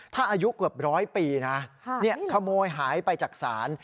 ถ้าอายุเกือบร้อยปีนะขโมยหายไปจากศาล